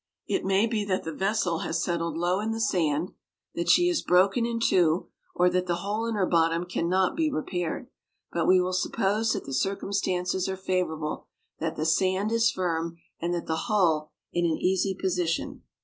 It may be that the vessel has settled low in the sand, that she is broken in two, or that the hole in her bottom can not be repaired. But we will suppose that the circumstances are favorable, that the sand is firm, and the hull in an easy position.